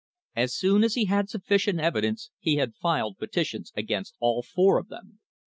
As soon as he had sufficient evidence he had filed peti tions against all four of them.